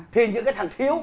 thì những cái thằng thiếu